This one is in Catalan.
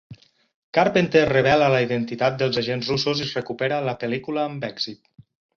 Carpenter rebel·la la identitat dels agents russos i recupera la pel·lícula amb èxit.